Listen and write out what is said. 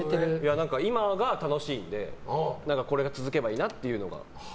今が楽しいのでこれが続けばいいなっていうのが。